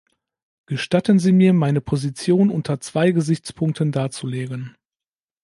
Gestatten Sie mir, meine Position unter zwei Gesichtspunkten darzulegen.